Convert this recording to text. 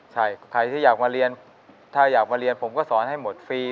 ใช่ใครที่อยากมาเรียนถ้าอยากมาเรียนผมก็สอนให้หมดฟรี